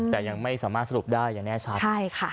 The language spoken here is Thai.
แต่ยังไม่สามารถสรุปได้อย่างแน่ชัดใช่ค่ะ